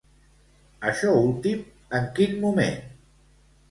Això últim, en quin moment?